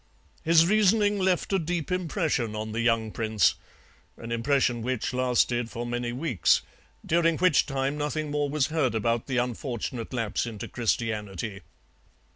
His reasoning left a deep impression on the young prince, an impression which lasted for many weeks, during which time nothing more was heard about the unfortunate lapse into Christianity.